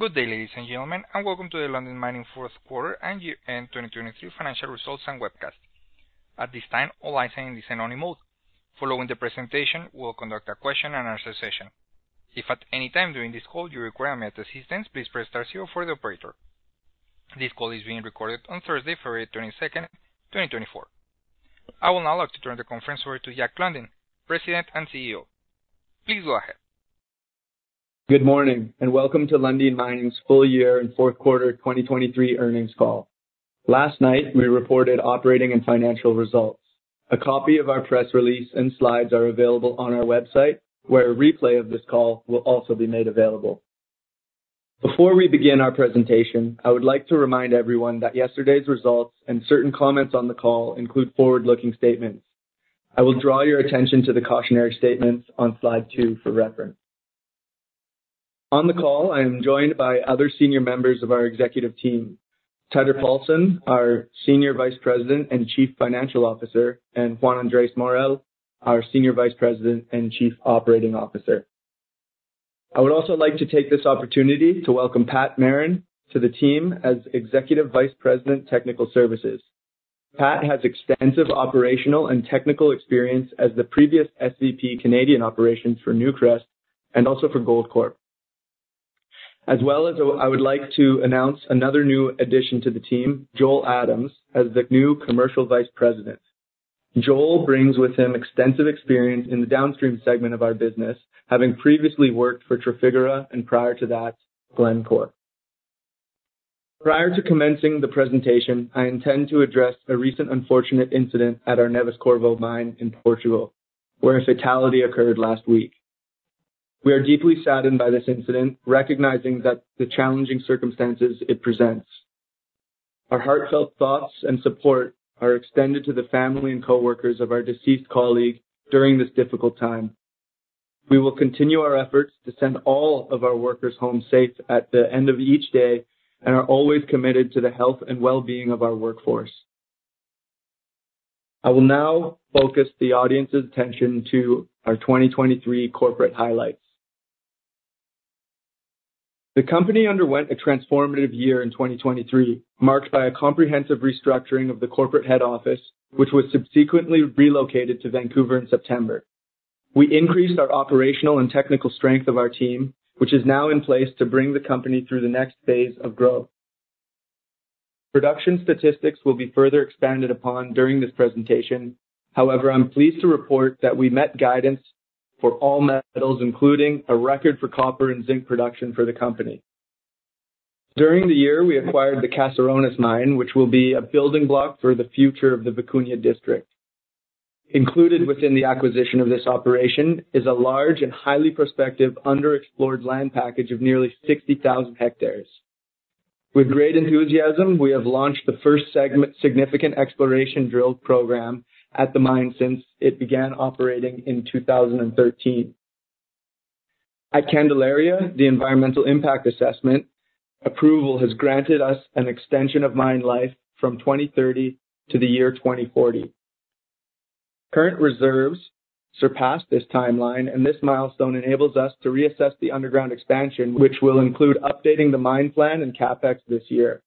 Good day, ladies and gentlemen, and welcome to the Lundin Mining fourth quarter and year-end 2023 financial results and webcast. At this time, all lines are in listen-only mode. Following the presentation, we'll conduct a question and answer session. If at any time during this call you require any assistance, please press star zero for the operator. This call is being recorded on Thursday, February 22, 2024. I will now like to turn the conference over to Jack Lundin, President and CEO. Please go ahead. Good morning, and welcome to Lundin Mining's full year and fourth quarter 2023 earnings call. Last night, we reported operating and financial results. A copy of our press release and slides are available on our website, where a replay of this call will also be made available. Before we begin our presentation, I would like to remind everyone that yesterday's results and certain comments on the call include forward-looking statements. I will draw your attention to the cautionary statements on slide 2 for reference. On the call, I am joined by other senior members of our executive team, Teitur Poulsen, our Senior Vice President and Chief Financial Officer, and Juan Andrés Morel, our Senior Vice President and Chief Operating Officer. I would also like to take this opportunity to welcome Patrick Merrin to the team as Executive Vice President, Technical Services. Pat has extensive operational and technical experience as the previous SVP, Canadian Operations for Newcrest and also for Goldcorp. As well as I would like to announce another new addition to the team, Joel Adams, as the new Commercial Vice President. Joel brings with him extensive experience in the downstream segment of our business, having previously worked for Trafigura and prior to that, Glencore. Prior to commencing the presentation, I intend to address a recent unfortunate incident at our Neves-Corvo mine in Portugal, where a fatality occurred last week. We are deeply saddened by this incident, recognizing that the challenging circumstances it presents. Our heartfelt thoughts and support are extended to the family and coworkers of our deceased colleague during this difficult time. We will continue our efforts to send all of our workers home safe at the end of each day and are always committed to the health and well-being of our workforce. I will now focus the audience's attention to our 2023 corporate highlights. The company underwent a transformative year in 2023, marked by a comprehensive restructuring of the corporate head office, which was subsequently relocated to Vancouver in September. We increased our operational and technical strength of our team, which is now in place to bring the company through the next phase of growth. Production statistics will be further expanded upon during this presentation. However, I'm pleased to report that we met guidance for all metals, including a record for copper and zinc production for the company. During the year, we acquired the Caserones mine, which will be a building block for the future of the Vicuña District. Included within the acquisition of this operation is a large and highly prospective, underexplored land package of nearly 60,000 hectares. With great enthusiasm, we have launched the first significant exploration drill program at the mine since it began operating in 2013. At Candelaria, the environmental impact assessment approval has granted us an extension of mine life from 2030 to the year 2040. Current reserves surpass this timeline, and this milestone enables us to reassess the underground expansion, which will include updating the mine plan and CapEx this year.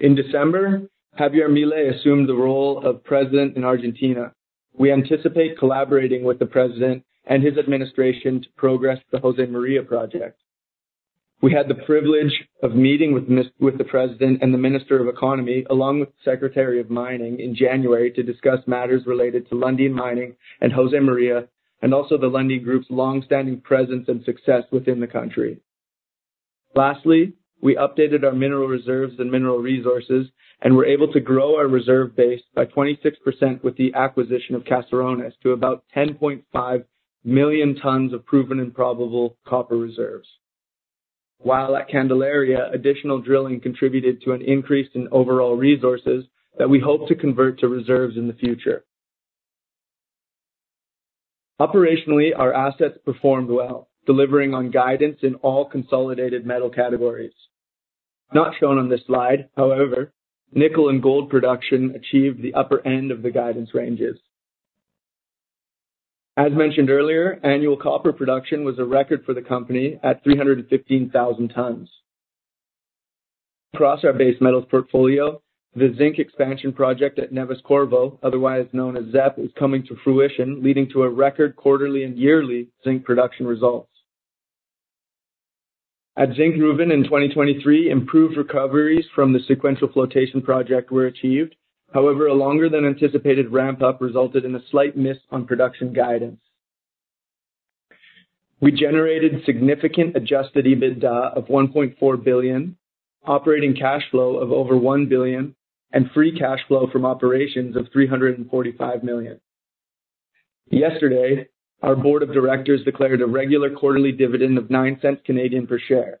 In December, Javier Milei assumed the role of president in Argentina. We anticipate collaborating with the President and his administration to progress the Josemaria project. We had the privilege of meeting with the President and the Minister of Economy, along with the Secretary of Mining, in January to discuss matters related to Lundin Mining and Josemaria, and also the Lundin Group's long-standing presence and success within the country. Lastly, we updated our mineral reserves and mineral resources and were able to grow our reserve base by 26% with the acquisition of Caserones to about 10.5 million tons of proven and probable copper reserves. While at Candelaria, additional drilling contributed to an increase in overall resources that we hope to convert to reserves in the future. Operationally, our assets performed well, delivering on guidance in all consolidated metal categories. Not shown on this slide, however, nickel and gold production achieved the upper end of the guidance ranges. As mentioned earlier, annual copper production was a record for the company at 315,000 tons. Across our base metals portfolio, the zinc expansion project at Neves-Corvo, otherwise known as ZEP, is coming to fruition, leading to a record quarterly and yearly zinc production results. At Zinkgruvan in 2023, improved recoveries from the sequential flotation project were achieved. However, a longer than anticipated ramp-up resulted in a slight miss on production guidance. We generated significant adjusted EBITDA of $1.4 billion, operating cash flow of over $1 billion, and free cash flow from operations of $345 million. Yesterday, our board of directors declared a regular quarterly dividend of 0.09 per share.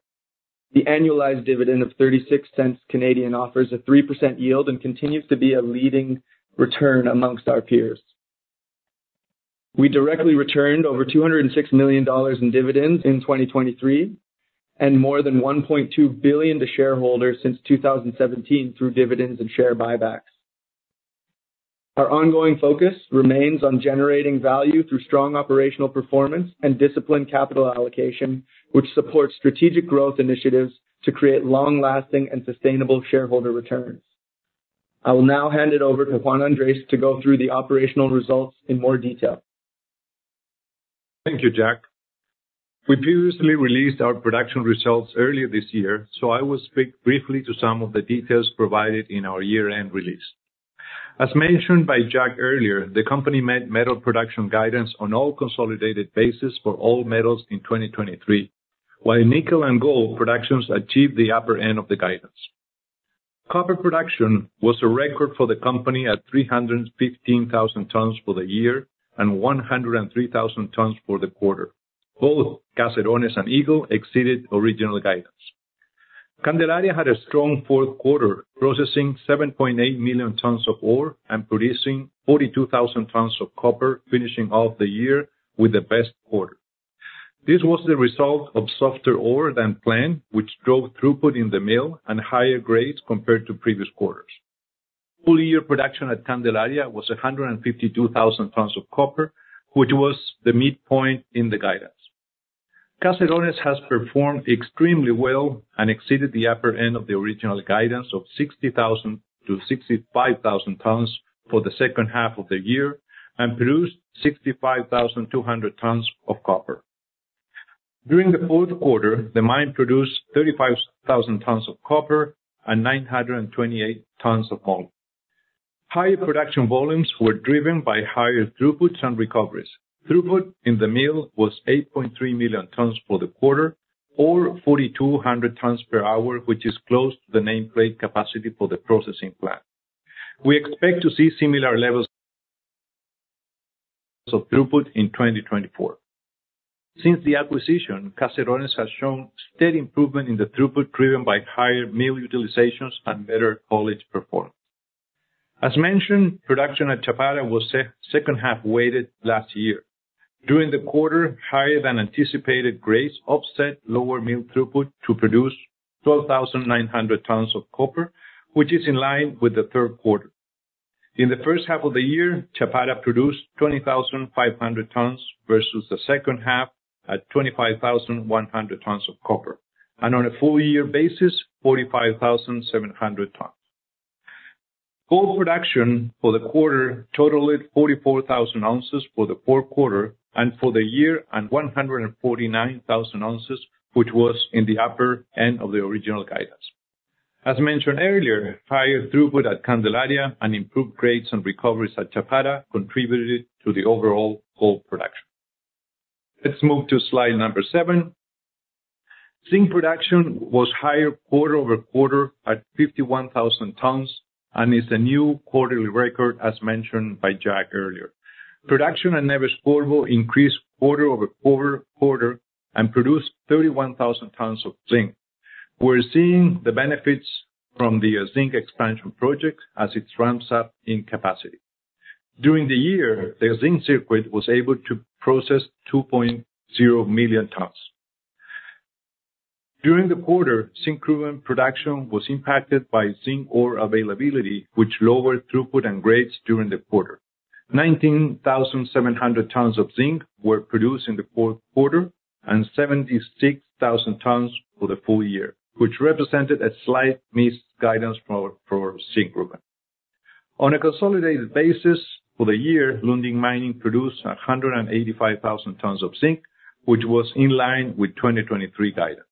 The annualized dividend of 0.36 offers a 3% yield and continues to be a leading return amongst our peers. We directly returned over $206 million in dividends in 2023, and more than $1.2 billion to shareholders since 2017 through dividends and share buybacks. Our ongoing focus remains on generating value through strong operational performance and disciplined capital allocation, which supports strategic growth initiatives to create long-lasting and sustainable shareholder returns. I will now hand it over to Juan Andrés to go through the operational results in more detail. Thank you, Jack. We previously released our production results earlier this year, so I will speak briefly to some of the details provided in our year-end release. As mentioned by Jack earlier, the company met metal production guidance on all consolidated basis for all metals in 2023, while nickel and gold productions achieved the upper end of the guidance. Copper production was a record for the company at 315,000 tons for the year and 103,000 tons for the quarter. All Caserones and Eagle exceeded original guidance. Candelaria had a strong fourth quarter, processing 7.8 million tons of ore and producing 42,000 tons of copper, finishing off the year with the best quarter. This was the result of softer ore than planned, which drove throughput in the mill and higher grades compared to previous quarters. Full year production at Candelaria was 152,000 tons of copper, which was the midpoint in the guidance. Caserones has performed extremely well and exceeded the upper end of the original guidance of 60,000-65,000 tons for the second half of the year and produced 65,200 tons of copper. During the fourth quarter, the mine produced 35,000 tons of copper and 928 tons of gold. Higher production volumes were driven by higher throughputs and recoveries. Throughput in the mill was 8.3 million tons for the quarter, or 4,200 tons per hour, which is close to the nameplate capacity for the processing plant. We expect to see similar levels of throughput in 2024. Since the acquisition, Caserones has shown steady improvement in the throughput, driven by higher mill utilizations and better collector performance. As mentioned, production at Chapada was second half weighted last year. During the quarter, higher than anticipated grades offset lower mill throughput to produce 12,900 tons of copper, which is in line with the third quarter. In the first half of the year, Chapada produced 20,500 tons versus the second half at 25,100 tons of copper, and on a full year basis, 45,700 tons. Gold production for the quarter totaled 44,000 ounces for the fourth quarter, and for the year, 149,000 ounces, which was in the upper end of the original guidance. As mentioned earlier, higher throughput at Candelaria and improved grades and recoveries at Chapada contributed to the overall gold production. Let's move to slide number 7. Zinc production was higher quarter-over-quarter at 51,000 tons and is a new quarterly record, as mentioned by Jack earlier. Production at Neves-Corvo increased quarter-over-quarter, quarter, and produced 31,000 tons of zinc. We're seeing the benefits from the zinc expansion project as it ramps up in capacity. During the year, the zinc circuit was able to process 2.0 million tons. During the quarter, Zinkgruvan production was impacted by zinc ore availability, which lowered throughput and grades during the quarter. 19,700 tons of zinc were produced in the fourth quarter and 76,000 tons for the full year, which represented a slight missed guidance for Zinkgruvan. On a consolidated basis for the year, Lundin Mining produced 185,000 tons of zinc, which was in line with 2023 guidance.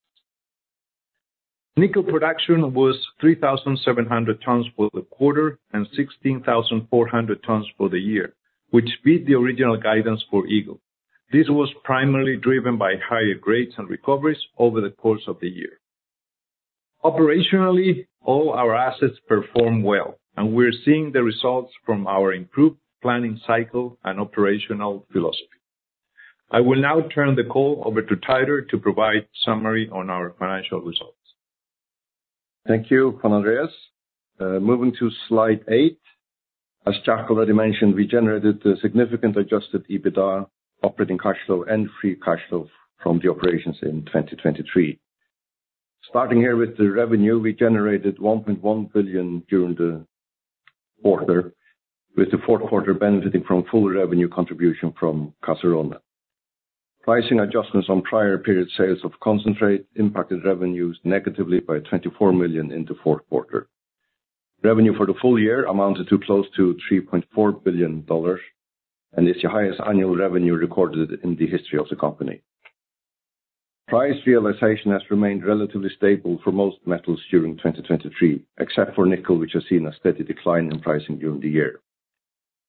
Nickel production was 3,700 tons for the quarter and 16,400 tons for the year, which beat the original guidance for Eagle. This was primarily driven by higher grades and recoveries over the course of the year. Operationally, all our assets perform well, and we're seeing the results from our improved planning cycle and operational philosophy. I will now turn the call over to Teitur to provide summary on our financial results. Thank you, Juan Andrés. Moving to slide 8. As Jack already mentioned, we generated a significant adjusted EBITDA operating cash flow and free cash flow from the operations in 2023. Starting here with the revenue, we generated $1.1 billion during the quarter, with the fourth quarter benefiting from full revenue contribution from Caserones. Pricing adjustments on prior period sales of concentrate impacted revenues negatively by $24 million in the fourth quarter. Revenue for the full year amounted to close to $3.4 billion, and it's the highest annual revenue recorded in the history of the company. Price realization has remained relatively stable for most metals during 2023, except for nickel, which has seen a steady decline in pricing during the year.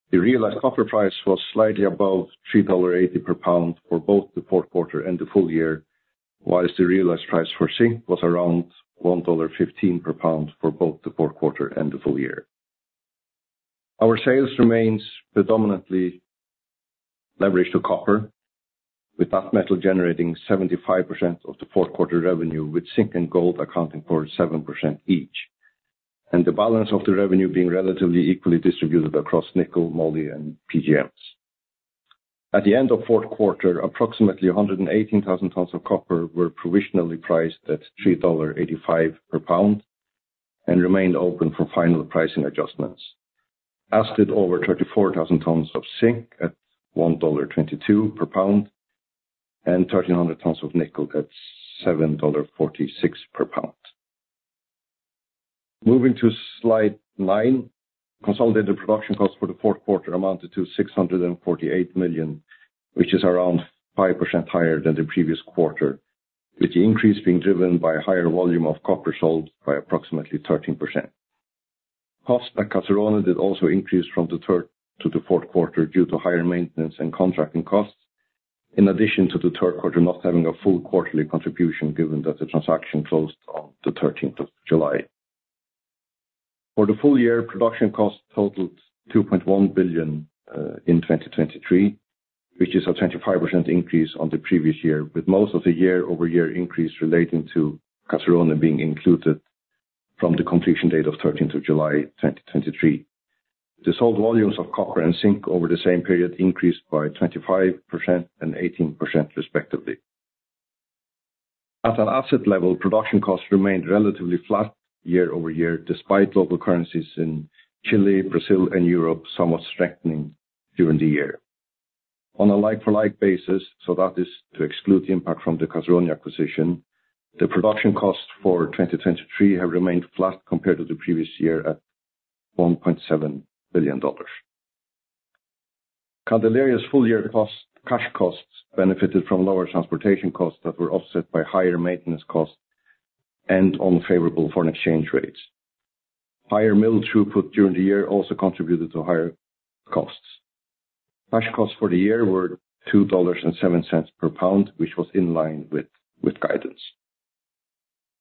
The realized copper price was slightly above $3.80 per pound for both the fourth quarter and the full year, while the realized price for zinc was around $1.15 per pound for both the fourth quarter and the full year. Our sales remains predominantly leveraged to copper, with that metal generating 75% of the fourth quarter revenue, with zinc and gold accounting for 7% each, and the balance of the revenue being relatively equally distributed across nickel, moly, and PGMs.... At the end of fourth quarter, approximately 118,000 tons of copper were provisionally priced at $3.85 per pound, and remained open for final pricing adjustments. As did over 34,000 tons of zinc at $1.22 per pound, and 1,300 tons of nickel at $7.46 per pound. Moving to slide 9, consolidated production costs for the fourth quarter amounted to $648 million, which is around 5% higher than the previous quarter, with the increase being driven by a higher volume of copper sold by approximately 13%. Costs at Caserones did also increase from the third to the fourth quarter due to higher maintenance and contracting costs, in addition to the third quarter not having a full quarterly contribution, given that the transaction closed on July 13. For the full year, production costs totaled $2.1 billion in 2023, which is a 25% increase on the previous year, with most of the year-over-year increase relating to Caserones being included from the completion date of July 13, 2023. The sold volumes of copper and zinc over the same period increased by 25% and 18%, respectively. At an asset level, production costs remained relatively flat year-over-year, despite local currencies in Chile, Brazil, and Europe somewhat strengthening during the year. On a like-for-like basis, so that is to exclude the impact from the Caserones acquisition, the production costs for 2023 have remained flat compared to the previous year at $1.7 billion. Candelaria's full-year cash costs benefited from lower transportation costs that were offset by higher maintenance costs and unfavorable foreign exchange rates. Higher mill throughput during the year also contributed to higher costs. Cash costs for the year were $2.07 per pound, which was in line with guidance.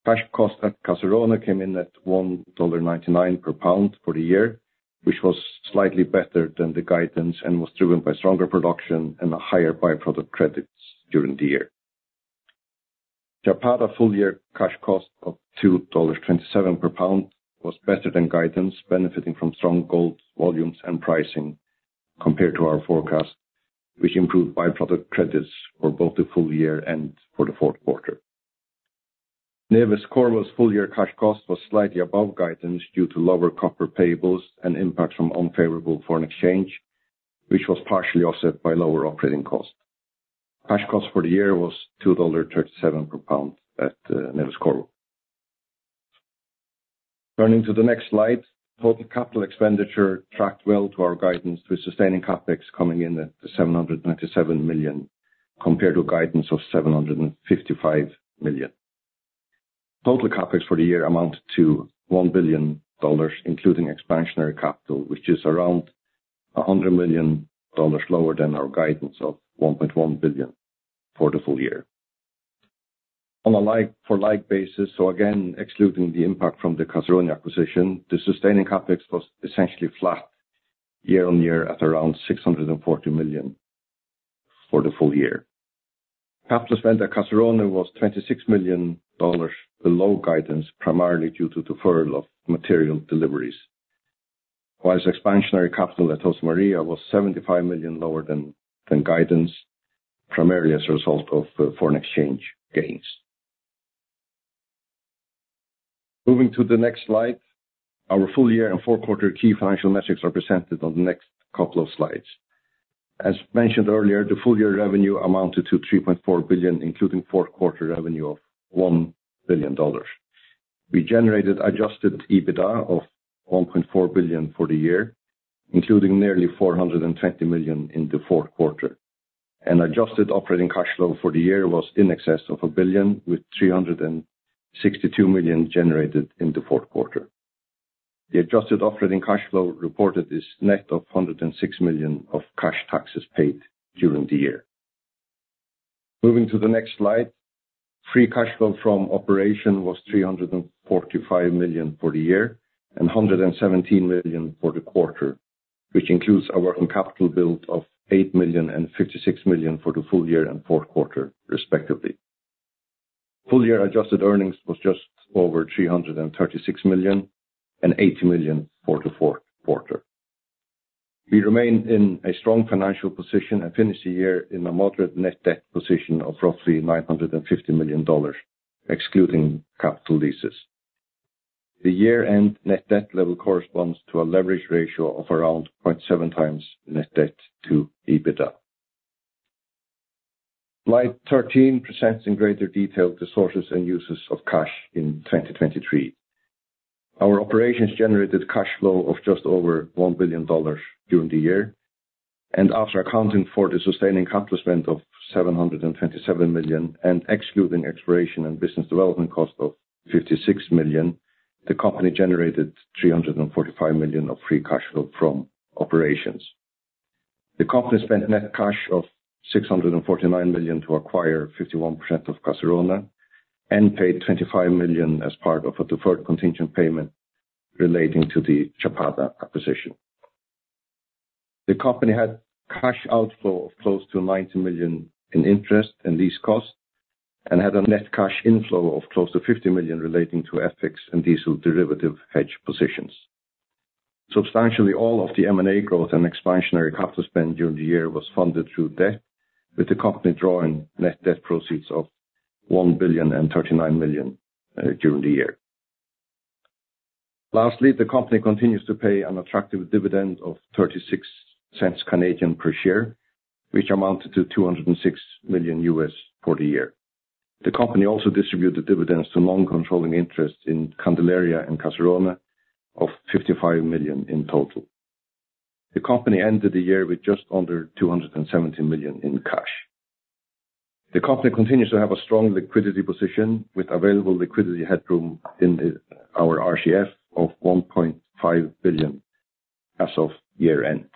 Cash costs at Caserones came in at $1.99 per pound for the year, which was slightly better than the guidance, and was driven by stronger production and a higher byproduct credits during the year. Chapada full-year cash cost of $2.27 per pound was better than guidance, benefiting from strong gold volumes and pricing compared to our forecast, which improved byproduct credits for both the full year and for the fourth quarter. Neves-Corvo's full-year cash cost was slightly above guidance due to lower copper payables and impacts from unfavorable foreign exchange, which was partially offset by lower operating costs. Cash costs for the year was $2.37 per pound at Neves-Corvo. Turning to the next slide, total capital expenditure tracked well to our guidance, with sustaining CapEx coming in at $797 million, compared to guidance of $755 million. Total CapEx for the year amounted to $1 billion, including expansionary capital, which is around $100 million lower than our guidance of $1.1 billion for the full year. On a like-for-like basis, so again, excluding the impact from the Caserones acquisition, the sustaining CapEx was essentially flat year-on-year at around $640 million for the full year. Capital spend at Caserones was $26 million below guidance, primarily due to deferral of material deliveries. While expansionary capital at Josemaria was $75 million lower than guidance, primarily as a result of foreign exchange gains. Moving to the next slide, our full year and fourth quarter key financial metrics are presented on the next couple of slides. As mentioned earlier, the full year revenue amounted to $3.4 billion, including fourth quarter revenue of $1 billion. We generated adjusted EBITDA of $1.4 billion for the year, including nearly $420 million in the fourth quarter. Adjusted operating cash flow for the year was in excess of $1 billion, with $362 million generated in the fourth quarter. The adjusted operating cash flow reported is net of $106 million of cash taxes paid during the year. Moving to the next slide, free cash flow from operation was $345 million for the year and $117 million for the quarter, which includes our working capital build of $8 million and $56 million for the full year and fourth quarter, respectively. Full year adjusted earnings was just over $336 million, and $80 million for the fourth quarter. We remain in a strong financial position and finish the year in a moderate net debt position of roughly $950 million, excluding capital leases. The year-end net debt level corresponds to a leverage ratio of around 0.7 times net debt to EBITDA. Slide 13 presents in greater detail the sources and uses of cash in 2023. Our operations generated cash flow of just over $1 billion during the year, and after accounting for the sustaining capital spend of $727 million, and excluding exploration and business development cost of $56 million, the company generated $345 million of free cash flow from operations. The company spent net cash of $649 million to acquire 51% of Caserones, and paid $25 million as part of a deferred contingent payment relating to the Chapada acquisition. The company had cash outflow of close to $90 million in interest and lease costs, and had a net cash inflow of close to $50 million relating to FX and diesel derivative hedge positions. Substantially all of the M&A growth and expansionary capital spend during the year was funded through debt, with the company drawing net debt proceeds of $1.039 billion during the year. Lastly, the company continues to pay an attractive dividend of 0.36 per share, which amounted to $206 million for the year. The company also distributed dividends to non-controlling interests in Candelaria and Caserones of $55 million in total. The company ended the year with just under $270 million in cash. The company continues to have a strong liquidity position, with available liquidity headroom in our RCF of $1.5 billion as of year-end.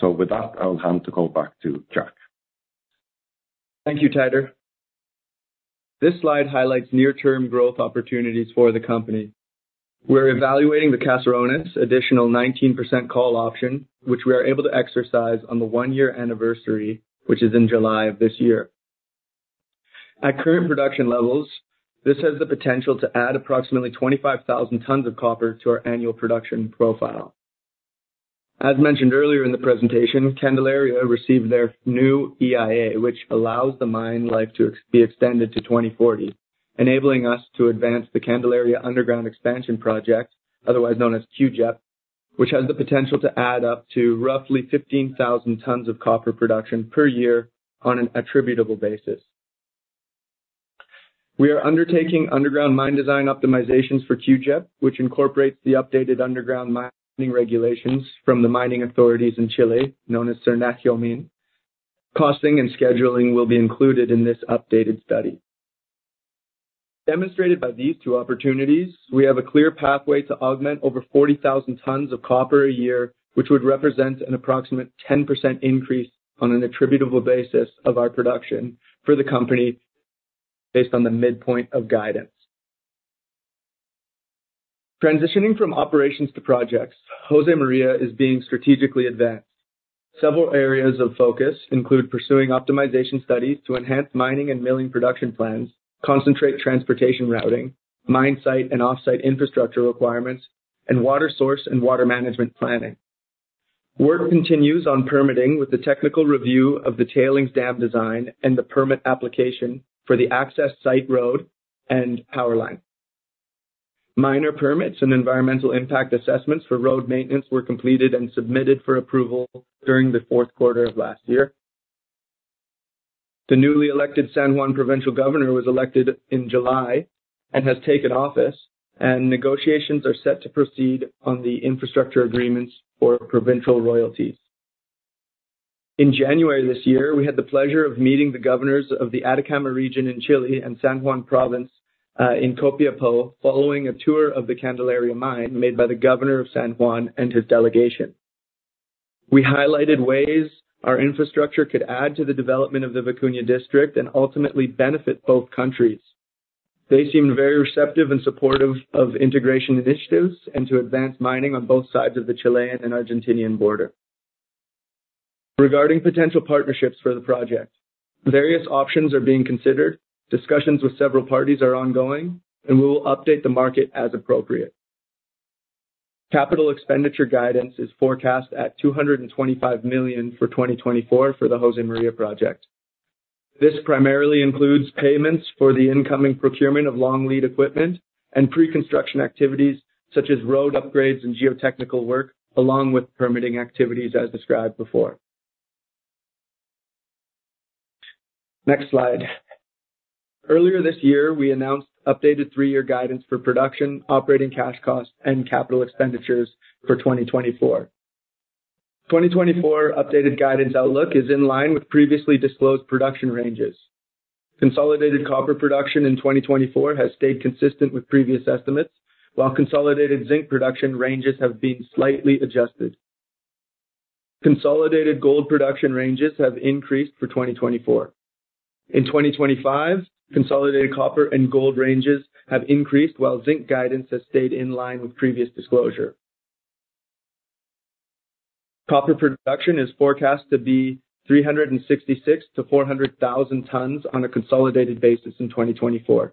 So with that, I'll hand the call back to Jack. Thank you, Teitur. This slide highlights near-term growth opportunities for the company. We're evaluating the Caserones additional 19% call option, which we are able to exercise on the one-year anniversary, which is in July of this year. At current production levels, this has the potential to add approximately 25,000 tons of copper to our annual production profile. As mentioned earlier in the presentation, Candelaria received their new EIA, which allows the mine life to be extended to 2040, enabling us to advance the Candelaria Underground Expansion Project, otherwise known as CUGEP, which has the potential to add up to roughly 15,000 tons of copper production per year on an attributable basis. We are undertaking underground mine design optimizations for CUGEP, which incorporates the updated underground mining regulations from the mining authorities in Chile, known as SERNAGEOMIN. Costing and scheduling will be included in this updated study. Demonstrated by these two opportunities, we have a clear pathway to augment over 40,000 tons of copper a year, which would represent an approximate 10% increase on an attributable basis of our production for the company based on the midpoint of guidance. Transitioning from operations to projects, Josemaria is being strategically advanced. Several areas of focus include pursuing optimization studies to enhance mining and milling production plans, concentrate transportation routing, mine site and offsite infrastructure requirements, and water source and water management planning. Work continues on permitting with the technical review of the tailings dam design and the permit application for the access site road and power line. Minor permits and environmental impact assessments for road maintenance were completed and submitted for approval during the fourth quarter of last year. The newly elected San Juan provincial governor was elected in July and has taken office, and negotiations are set to proceed on the infrastructure agreements for provincial royalties. In January this year, we had the pleasure of meeting the governors of the Atacama region in Chile and San Juan Province in Copiapó, following a tour of the Candelaria mine made by the governor of San Juan and his delegation. We highlighted ways our infrastructure could add to the development of the Vicuña District and ultimately benefit both countries. They seemed very receptive and supportive of integration initiatives and to advance mining on both sides of the Chilean and Argentinian border. Regarding potential partnerships for the project, various options are being considered. Discussions with several parties are ongoing, and we will update the market as appropriate. Capital expenditure guidance is forecast at $225 million for 2024 for the Josemaria project. This primarily includes payments for the incoming procurement of long lead equipment and pre-construction activities such as road upgrades and geotechnical work, along with permitting activities, as described before. Next slide. Earlier this year, we announced updated three-year guidance for production, operating cash costs, and capital expenditures for 2024. 2024 updated guidance outlook is in line with previously disclosed production ranges. Consolidated copper production in 2024 has stayed consistent with previous estimates, while consolidated zinc production ranges have been slightly adjusted. Consolidated gold production ranges have increased for 2024. In 2025, consolidated copper and gold ranges have increased, while zinc guidance has stayed in line with previous disclosure. Copper production is forecast to be 366-400,000 tons on a consolidated basis in 2024.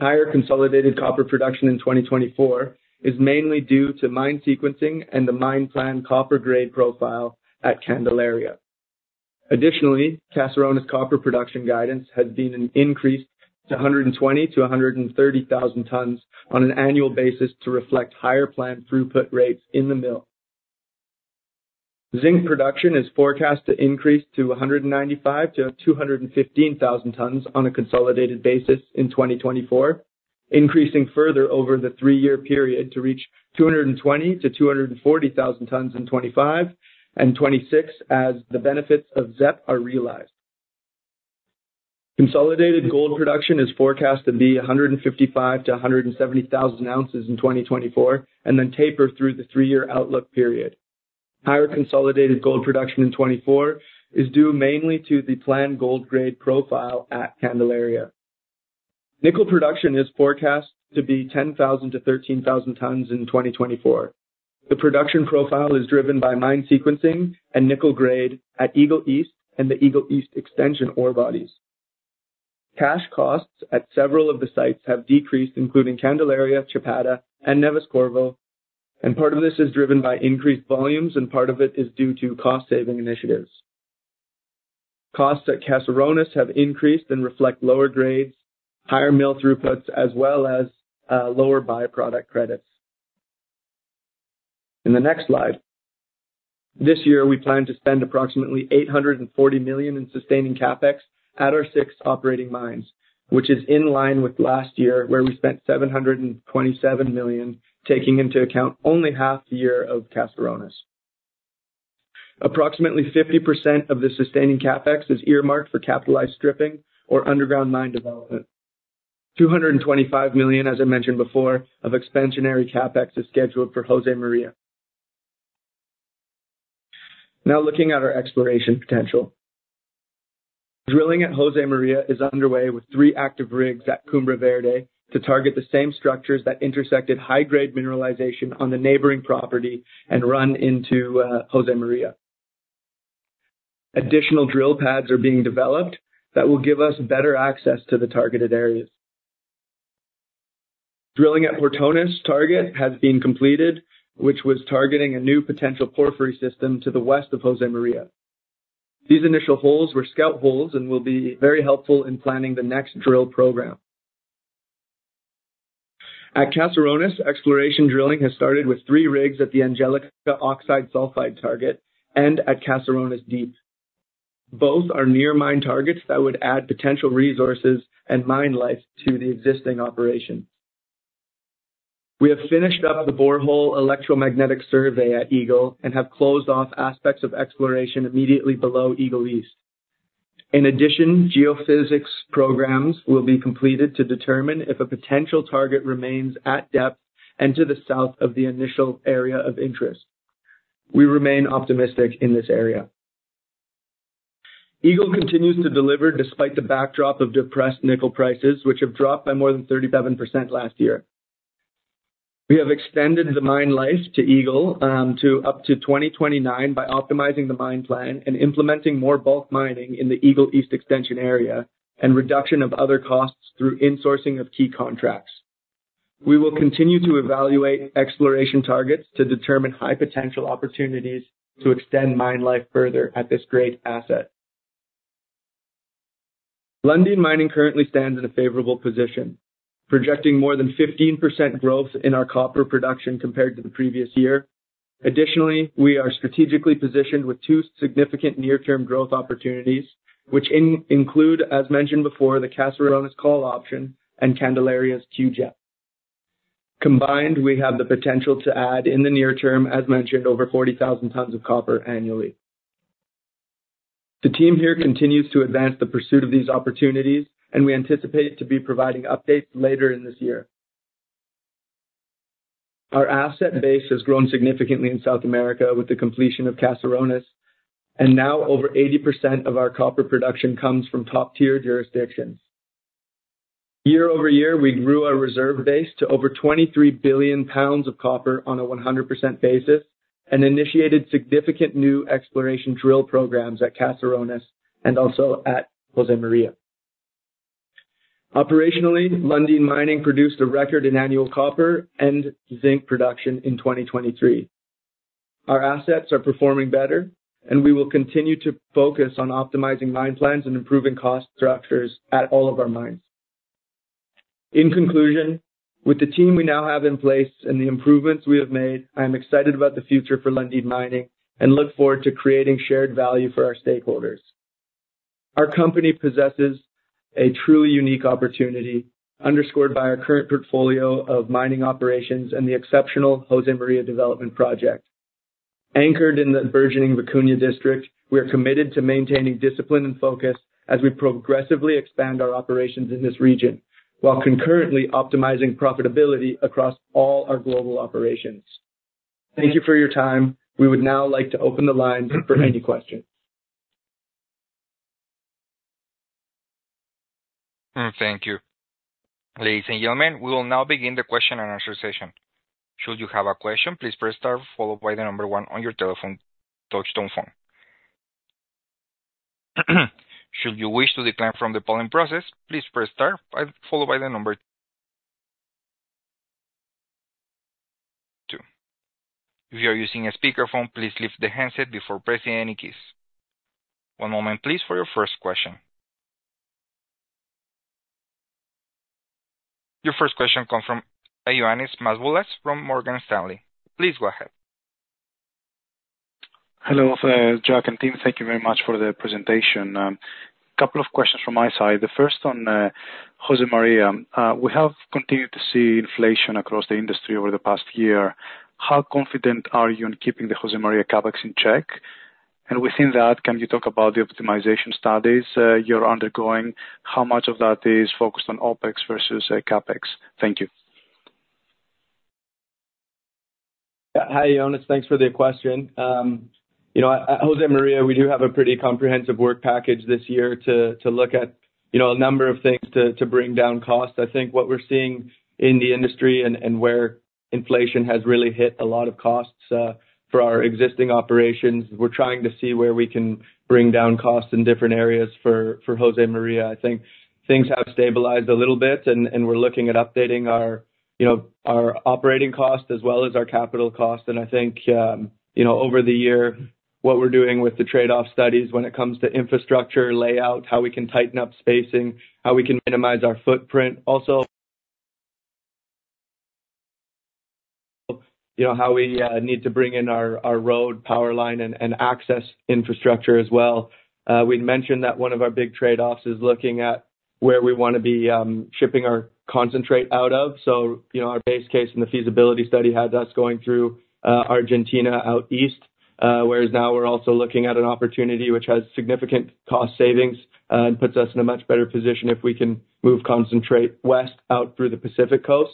Higher consolidated copper production in 2024 is mainly due to mine sequencing and the mine plan copper grade profile at Candelaria. Additionally, Caserones copper production guidance has been increased to 120-130,000 tons on an annual basis to reflect higher planned throughput rates in the mill. Zinc production is forecast to increase to 195-215,000 tons on a consolidated basis in 2024, increasing further over the three-year period to reach 220-240,000 tons in 2025 and 2026 as the benefits of ZEP are realized. Consolidated gold production is forecast to be 155,000-170,000 ounces in 2024, and then taper through the three-year outlook period. Higher consolidated gold production in 2024 is due mainly to the planned gold grade profile at Candelaria. Nickel production is forecast to be 10,000-13,000 tons in 2024. The production profile is driven by mine sequencing and nickel grade at Eagle East and the Eagle East extension ore bodies. Cash costs at several of the sites have decreased, including Candelaria, Chapada, and Neves-Corvo, and part of this is driven by increased volumes, and part of it is due to cost-saving initiatives. Costs at Caserones have increased and reflect lower grades, higher mill throughputs, as well as lower byproduct credits. In the next slide, this year, we plan to spend approximately $840 million in sustaining CapEx at our six operating mines, which is in line with last year, where we spent $727 million, taking into account only half the year of Caserones. Approximately 50% of the sustaining CapEx is earmarked for capitalized stripping or underground mine development. $225 million, as I mentioned before, of expansionary CapEx, is scheduled for Josemaria. Now, looking at our exploration potential. Drilling at Josemaria is underway with three active rigs at Cumbre Verde to target the same structures that intersected high-grade mineralization on the neighboring property and run into Josemaria. Additional drill pads are being developed that will give us better access to the targeted areas. Drilling at Portones target has been completed, which was targeting a new potential porphyry system to the west of Josemaria. These initial holes were scout holes and will be very helpful in planning the next drill program. At Caserones, exploration drilling has started with three rigs at the Angelica oxide sulfide target and at Caserones Deep. Both are near mine targets that would add potential resources and mine life to the existing operation. We have finished up the borehole electromagnetic survey at Eagle and have closed off aspects of exploration immediately below Eagle East. In addition, geophysics programs will be completed to determine if a potential target remains at depth and to the south of the initial area of interest. We remain optimistic in this area. Eagle continues to deliver despite the backdrop of depressed nickel prices, which have dropped by more than 37% last year. We have extended the mine life to Eagle to up to 2029 by optimizing the mine plan and implementing more bulk mining in the Eagle East extension area and reduction of other costs through insourcing of key contracts. We will continue to evaluate exploration targets to determine high potential opportunities to extend mine life further at this great asset. Lundin Mining currently stands in a favorable position, projecting more than 15% growth in our copper production compared to the previous year. Additionally, we are strategically positioned with two significant near-term growth opportunities, which include, as mentioned before, the Caserones call option and Candelaria's CUGEP. Combined, we have the potential to add in the near term, as mentioned, over 40,000 tons of copper annually. The team here continues to advance the pursuit of these opportunities, and we anticipate to be providing updates later in this year. Our asset base has grown significantly in South America with the completion of Caserones, and now over 80% of our copper production comes from top-tier jurisdictions. Year over year, we grew our reserve base to over 23 billion pounds of copper on a 100% basis and initiated significant new exploration drill programs at Caserones and also at Josemaria. Operationally, Lundin Mining produced a record in annual copper and zinc production in 2023. Our assets are performing better, and we will continue to focus on optimizing mine plans and improving cost structures at all of our mines. In conclusion, with the team we now have in place and the improvements we have made, I am excited about the future for Lundin Mining and look forward to creating shared value for our stakeholders. Our company possesses a truly unique opportunity, underscored by our current portfolio of mining operations and the exceptional Josemaria development project. Anchored in the burgeoning Vicuña District, we are committed to maintaining discipline and focus as we progressively expand our operations in this region, while concurrently optimizing profitability across all our global operations. Thank you for your time. We would now like to open the line for any questions. Thank you. Ladies and gentlemen, we will now begin the question-and-answer session. Should you have a question, please press star followed by 1 on your telephone, touchtone phone. Should you wish to decline from the polling process, please press star followed by 2. If you are using a speakerphone, please lift the handset before pressing any keys. One moment, please, for your first question. Your first question comes from Ioannis Masvoulas from Morgan Stanley. Please go ahead. Hello, Jack and team. Thank you very much for the presentation. Couple of questions from my side. The first on Josemaria. We have continued to see inflation across the industry over the past year. How confident are you in keeping the Josemaria CapEx in check? And within that, can you talk about the optimization studies you're undergoing? How much of that is focused on OpEx versus CapEx? Thank you. Hi, Yannis. Thanks for the question. You know, at Josemaria, we do have a pretty comprehensive work package this year to look at, you know, a number of things to bring down costs. I think what we're seeing in the industry and where inflation has really hit a lot of costs for our existing operations, we're trying to see where we can bring down costs in different areas for Josemaria. I think things have stabilized a little bit, and we're looking at updating our, you know, our operating costs as well as our capital costs. And I think, you know, over the year, what we're doing with the trade-off studies when it comes to infrastructure, layout, how we can tighten up spacing, how we can minimize our footprint. Also, you know, how we need to bring in our road power line and access infrastructure as well. We'd mentioned that one of our big trade-offs is looking at where we wanna be shipping our concentrate out of. So, you know, our base case and the feasibility study had us going through Argentina out east, whereas now we're also looking at an opportunity which has significant cost savings and puts us in a much better position if we can move concentrate west out through the Pacific Coast.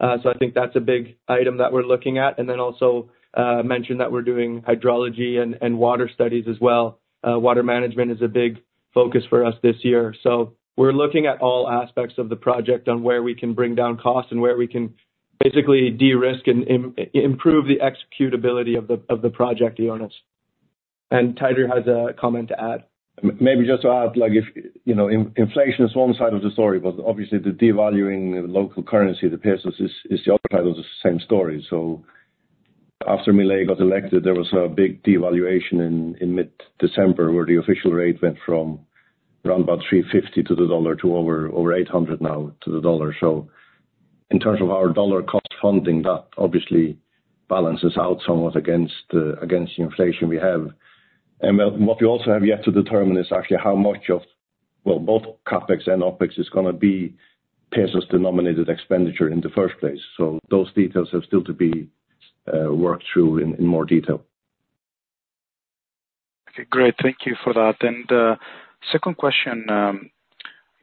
So I think that's a big item that we're looking at. And then also mentioned that we're doing hydrology and water studies as well. Water management is a big focus for us this year. So we're looking at all aspects of the project on where we can bring down costs and where we can basically de-risk and improve the executability of the project, Yannis. And Teitur has a comment to add. Maybe just to add, like, if you know, inflation is one side of the story, but obviously the devaluing the local currency, the pesos, is the other side of the same story. So after Milei got elected, there was a big devaluation in mid-December, where the official rate went from around about 350 to the dollar to over 800 now to the dollar. So in terms of our dollar cost funding, that obviously balances out somewhat against the inflation we have. Well, what we also have yet to determine is actually how much of, well, both CapEx and OpEx is gonna be pesos-denominated expenditure in the first place. So those details have still to be worked through in more detail. Okay, great. Thank you for that. And, second question.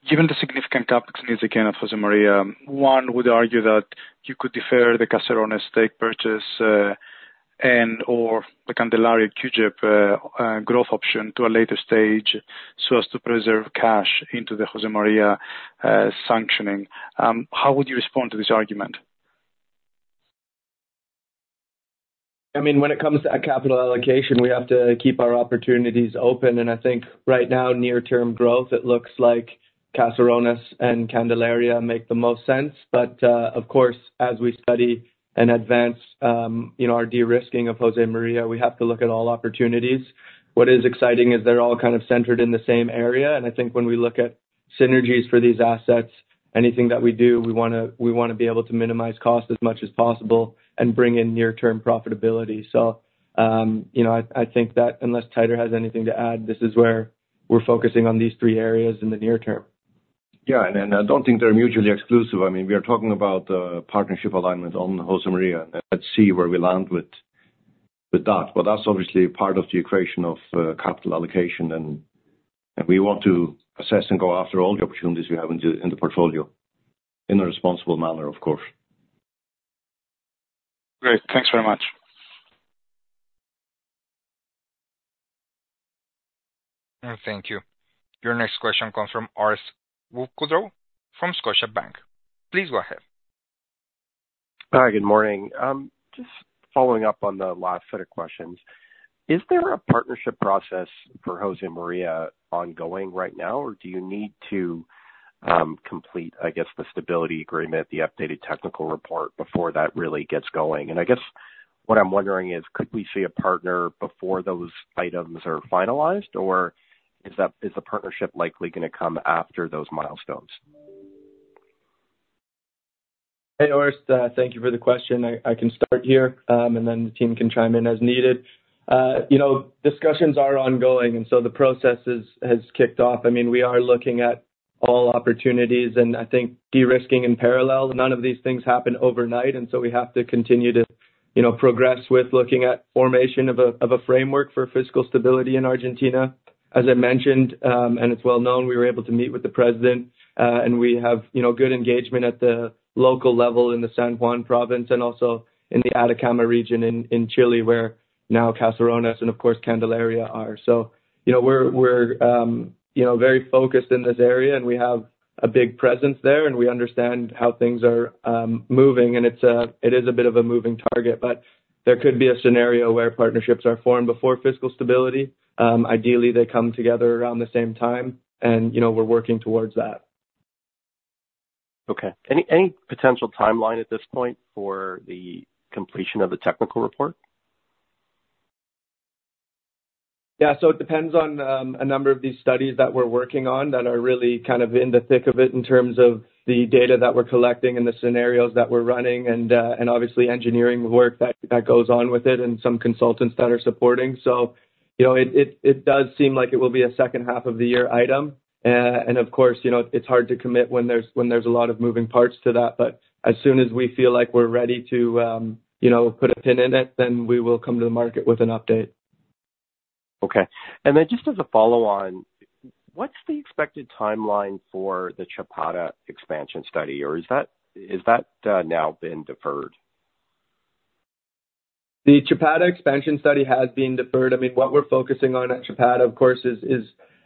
Given the significant CapEx needs again of Josemaria, one would argue that you could defer the Caserones stake purchase, and/or the Candelaria CUGEP growth option to a later stage so as to preserve cash into the Josemaria sanctioning. How would you respond to this argument? I mean, when it comes to capital allocation, we have to keep our opportunities open, and I think right now, near-term growth, it looks like Caserones and Candelaria make the most sense. But, of course, as we study and advance, you know, our de-risking of Josemaria, we have to look at all opportunities. What is exciting is they're all kind of centered in the same area, and I think when we look at synergies for these assets, anything that we do, we wanna, we wanna be able to minimize cost as much as possible and bring in near-term profitability. So, you know, I, I think that unless Teitur has anything to add, this is where we're focusing on these three areas in the near term. Yeah, and I don't think they're mutually exclusive. I mean, we are talking about partnership alignment on Josemaria, and let's see where we land with that. But that's obviously part of the equation of capital allocation, and we want to assess and go after all the opportunities we have in the portfolio, in a responsible manner, of course. Great. Thanks very much. Thank you. Your next question comes from Orest Wowkodaw from Scotiabank. Please go ahead. Hi, good morning. Just following up on the last set of questions, is there a partnership process for Josemaria ongoing right now, or do you need to, complete, I guess, the stability agreement, the updated technical report, before that really gets going? And I guess what I'm wondering is, could we see a partner before those items are finalized, or is that, is the partnership likely gonna come after those milestones? Hey, Orest, thank you for the question. I can start here, and then the team can chime in as needed. You know, discussions are ongoing, and so the process is, has kicked off. I mean, we are looking at all opportunities, and I think de-risking in parallel, none of these things happen overnight, and so we have to continue to, you know, progress with looking at formation of a framework for fiscal stability in Argentina. As I mentioned, and it's well known, we were able to meet with the president, and we have, you know, good engagement at the local level in the San Juan province and also in the Atacama region in Chile, where now Caserones and, of course, Candelaria are. So, you know, we're very focused in this area, and we have a big presence there, and we understand how things are moving, and it's a bit of a moving target. But there could be a scenario where partnerships are formed before fiscal stability. Ideally, they come together around the same time, and, you know, we're working towards that. Okay. Any potential timeline at this point for the completion of the technical report? Yeah, so it depends on a number of these studies that we're working on that are really kind of in the thick of it in terms of the data that we're collecting and the scenarios that we're running, and and obviously, engineering work that goes on with it and some consultants that are supporting. So, you know, it does seem like it will be a second half of the year item. And of course, you know, it's hard to commit when there's a lot of moving parts to that, but as soon as we feel like we're ready to, you know, put a pin in it, then we will come to the market with an update.... Okay. And then just as a follow on, what's the expected timeline for the Chapada expansion study, or is that now been deferred? The Chapada expansion study has been deferred. I mean, what we're focusing on at Chapada, of course, is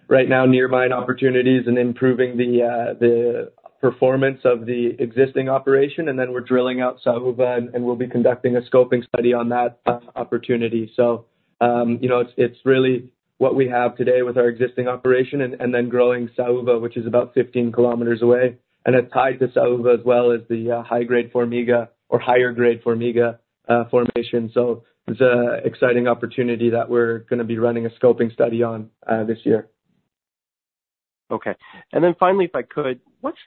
right now near mine opportunities and improving the performance of the existing operation, and then we're drilling out Saúva, and we'll be conducting a scoping study on that opportunity. So, you know, it's really what we have today with our existing operation and then growing Saúva, which is about 15 km away. And it's tied to Saúva, as well as the high-grade Formiga or higher grade Formiga formation. So it's an exciting opportunity that we're gonna be running a scoping study on this year. Okay. And then finally, if I could, what's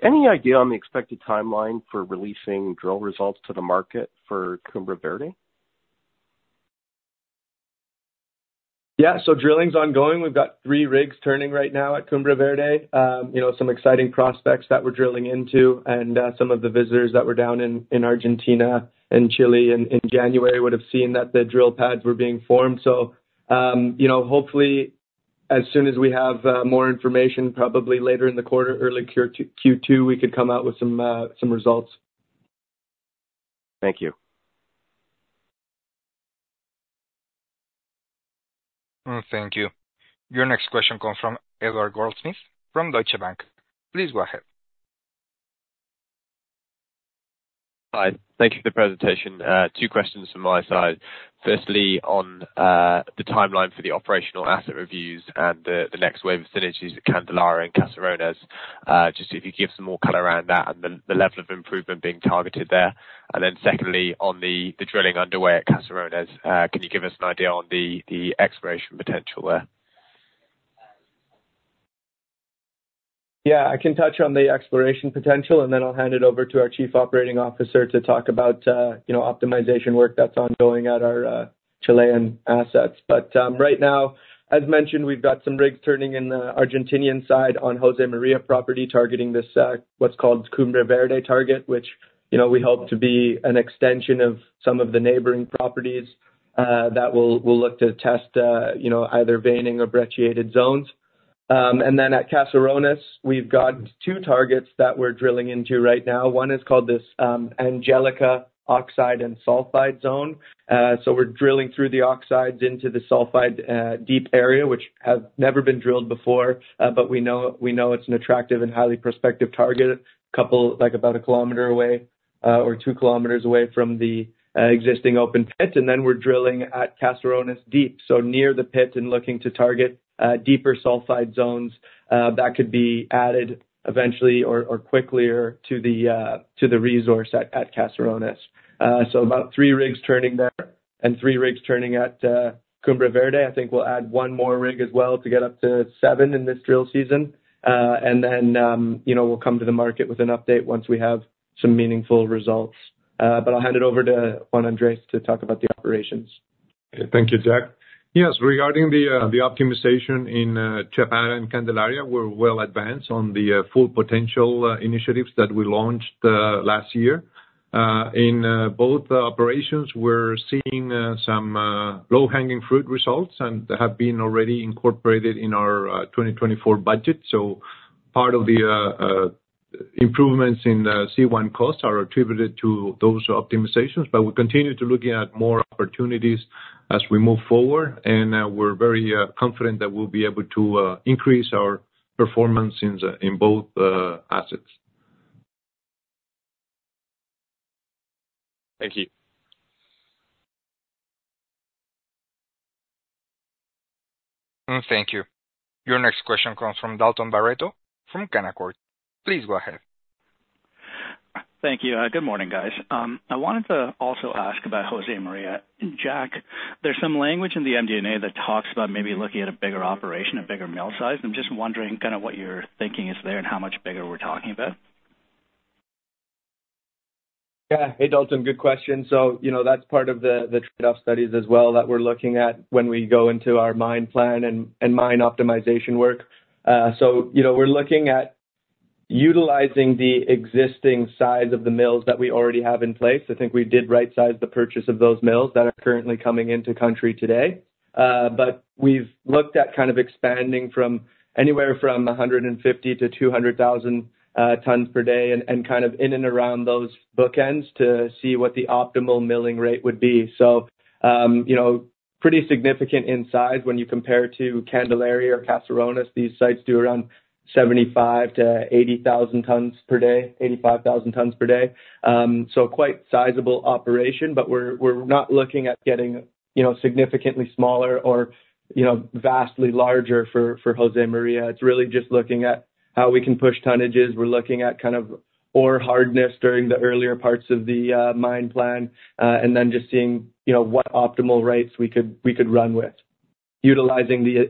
any idea on the expected timeline for releasing drill results to the market for Cumbre Verde? Yeah, so drilling's ongoing. We've got three rigs turning right now at Cumbre Verde. You know, some exciting prospects that we're drilling into, and some of the visitors that were down in Argentina and Chile in January would have seen that the drill pads were being formed. So, you know, hopefully, as soon as we have more information, probably later in the quarter, early Q2, we could come out with some results. Thank you. Thank you. Your next question comes from Edward Goldsmith, from Deutsche Bank. Please go ahead. Hi. Thank you for the presentation. Two questions from my side. Firstly, on the timeline for the operational asset reviews and the next wave of synergies at Candelaria and Caserones, just if you could give some more color around that and the level of improvement being targeted there. And then secondly, on the drilling underway at Caserones, can you give us an idea on the exploration potential there? Yeah, I can touch on the exploration potential, and then I'll hand it over to our Chief Operating Officer to talk about, you know, optimization work that's ongoing at our Chilean assets. But right now, as mentioned, we've got some rigs turning in the Argentinian side on Josemaria property, targeting this, what's called Cumbre Verde target, which, you know, we hope to be an extension of some of the neighboring properties that we'll look to test, you know, either veining or brecciated zones. And then at Caserones, we've got two targets that we're drilling into right now. One is called this Angelica oxide and sulfide zone. So we're drilling through the oxides into the sulfide deep area, which has never been drilled before, but we know, we know it's an attractive and highly prospective target, a couple, like, about a kilometer away, or two kilometers away from the existing open pit. And then we're drilling at Caserones Deep, so near the pit and looking to target deeper sulfide zones that could be added eventually or, or quicklier to the to the resource at at Caserones. So about three rigs turning there and three rigs turning at Cumbre Verde. I think we'll add one more rig as well to get up to seven in this drill season. And then, you know, we'll come to the market with an update once we have some meaningful results. But I'll hand it over to Juan Andrés to talk about the operations. Thank you, Jack. Yes, regarding the optimization in Chapada and Candelaria, we're well advanced on the full potential initiatives that we launched last year. In both operations, we're seeing some low-hanging fruit results and have been already incorporated in our 2024 budget. So part of the improvements in the C1 costs are attributed to those optimizations, but we're continuing to looking at more opportunities as we move forward, and we're very confident that we'll be able to increase our performance in both assets. Thank you. Thank you. Your next question comes from Dalton Baretto from Canaccord. Please go ahead. Thank you. Good morning, guys. I wanted to also ask about Josemaria. Jack, there's some language in the MD&A that talks about maybe looking at a bigger operation, a bigger mill size. I'm just wondering kind of what your thinking is there and how much bigger we're talking about? Yeah. Hey, Dalton, good question. So, you know, that's part of the trade-off studies as well, that we're looking at when we go into our mine plan and mine optimization work. So, you know, we're looking at utilizing the existing size of the mills that we already have in place. I think we did rightsize the purchase of those mills that are currently coming into country today. But we've looked at kind of expanding from anywhere from 150 to 200 thousand tons per day and kind of in and around those bookends to see what the optimal milling rate would be. So, you know, pretty significant in size when you compare to Candelaria or Caserones. These sites do around 75,000-80,000 tons per day, 85,000 tons per day. So, quite sizable operation, but we're not looking at getting, you know, significantly smaller or, you know, vastly larger for Josemaria. It's really just looking at how we can push tonnages. We're looking at kind of ore hardness during the earlier parts of the mine plan, and then just seeing, you know, what optimal rates we could run with, utilizing the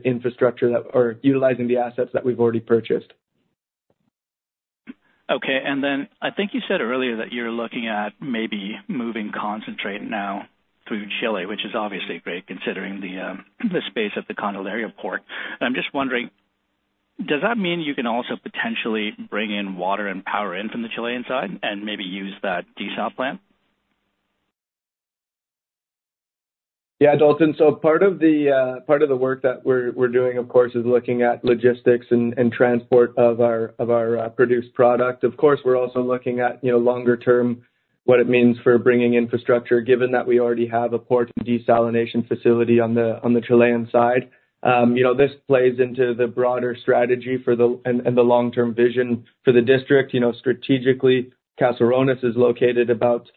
assets that we've already purchased. Okay. And then I think you said earlier that you're looking at maybe moving concentrate now through Chile, which is obviously great, considering the space at the Candelaria port. I'm just wondering, does that mean you can also potentially bring in water and power in from the Chilean side and maybe use that desal plant? ... Yeah, Dalton, so part of the work that we're doing, of course, is looking at logistics and transport of our produced product. Of course, we're also looking at, you know, longer term, what it means for bringing infrastructure, given that we already have a port and desalination facility on the Chilean side. You know, this plays into the broader strategy for the and the long-term vision for the district. You know, strategically, Caserones is located about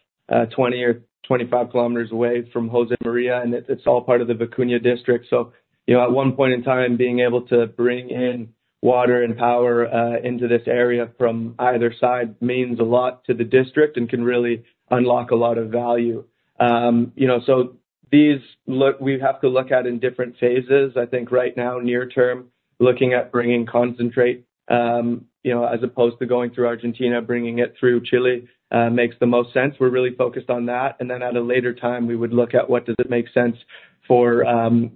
20 or 25 km away from Josemaria, and it- it's all part of the Vicuña District. So, you know, at one point in time, being able to bring in water and power into this area from either side means a lot to the district and can really unlock a lot of value. You know, so these look we have to look at in different phases. I think right now, near term, looking at bringing concentrate, you know, as opposed to going through Argentina, bringing it through Chile, makes the most sense. We're really focused on that, and then at a later time, we would look at what does it make sense for,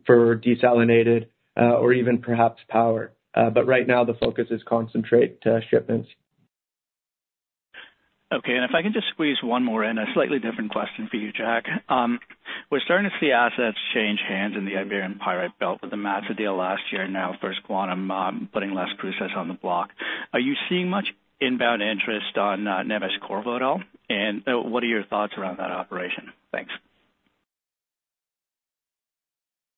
for desalinated, or even perhaps power. But right now the focus is concentrate, shipments. Okay. And if I can just squeeze one more in, a slightly different question for you, Jack. We're starting to see assets change hands in the Iberian Pyrite Belt with the MATSA deal last year, now First Quantum putting Las Cruces on the block. Are you seeing much inbound interest on Neves-Corvo at all? And what are your thoughts around that operation? Thanks.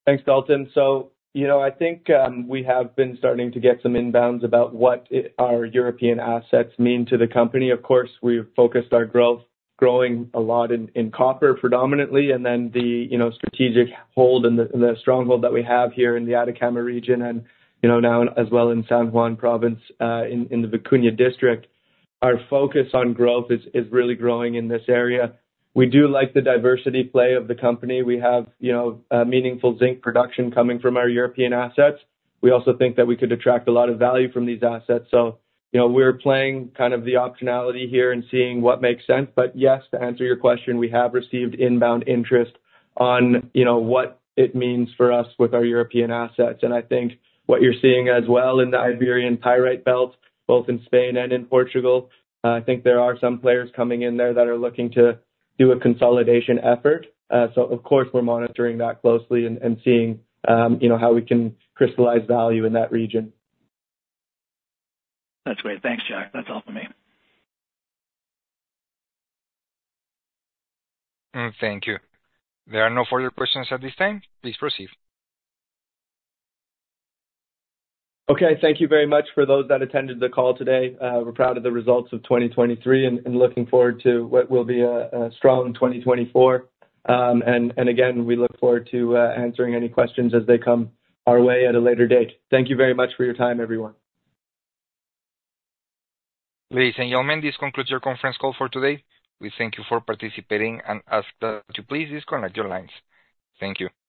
Thanks, Dalton. So, you know, I think, we have been starting to get some inbounds about what our European assets mean to the company. Of course, we've focused our growth, growing a lot in copper, predominantly, and then the, you know, strategic hold and the stronghold that we have here in the Atacama region and, you know, now as well in San Juan province, in the Vicuña District. Our focus on growth is really growing in this area. We do like the diversity play of the company. We have, you know, meaningful zinc production coming from our European assets. We also think that we could attract a lot of value from these assets. So, you know, we're playing kind of the optionality here and seeing what makes sense. But yes, to answer your question, we have received inbound interest on, you know, what it means for us with our European assets. And I think what you're seeing as well in the Iberian Pyrite Belt, both in Spain and in Portugal, I think there are some players coming in there that are looking to do a consolidation effort. So of course, we're monitoring that closely and seeing, you know, how we can crystallize value in that region. That's great. Thanks, Jack. That's all for me. Thank you. There are no further questions at this time. Please proceed. Okay. Thank you very much for those that attended the call today. We're proud of the results of 2023 and looking forward to what will be a strong 2024. And again, we look forward to answering any questions as they come our way at a later date. Thank you very much for your time, everyone. Ladies and gentlemen, this concludes your conference call for today. We thank you for participating and ask that you please disconnect your lines. Thank you.